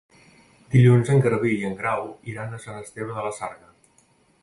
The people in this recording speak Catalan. Dilluns en Garbí i en Grau iran a Sant Esteve de la Sarga.